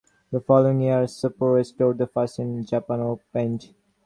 The following year, Sapporo Store, the first in Japan opened.